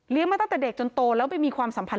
เลี้ยงมาตั้งแต่เด็กจนโตแล้ว